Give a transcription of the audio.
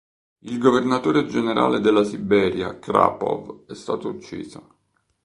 Il governatore generale della Siberia Khrapov è stato ucciso.